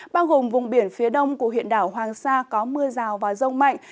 bao gồm vùng biển phía đông của huyện đảo hoàng sa có mưa rào và rông mạnh